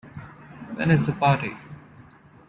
When is the party?